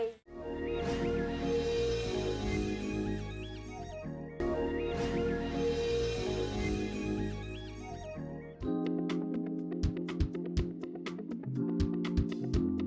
aku pengen lagi di cilang